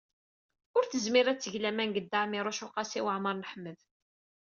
Ur tezmir ad teg laman deg Dda Ɛmiiruc u Qasi Waɛmer n Ḥmed.